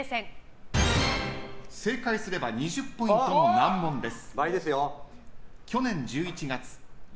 正解すれば２０ポイントの難問です。